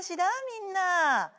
みんな。